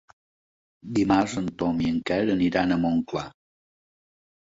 Dimarts en Tom i en Quer aniran a Montclar.